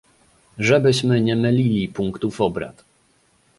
Żebyśmy nie mylili punktów obrad